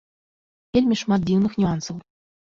Вельмі шмат дзіўных нюансаў.